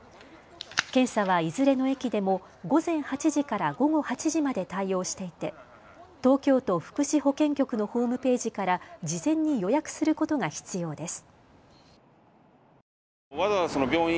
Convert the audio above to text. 検査はいずれの駅でも午前８時から午後８時まで対応していて東京都福祉保健局のホームページから事前に予約することが必要です。